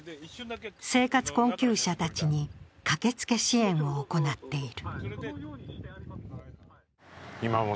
生活困窮者たちに駆けつけ支援を行っている。